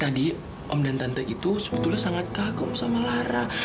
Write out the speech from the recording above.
om dan tante itu sebetulnya sangat kagum sama lara